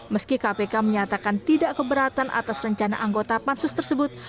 meski kpk menyatakan tidak keberatan atas rencana anggota pansus tersebut